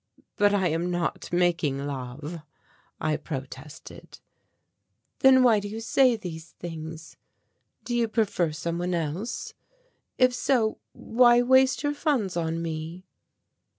"But I am not making love," I protested. "Then why do you say these things? Do you prefer some one else? If so why waste your funds on me?"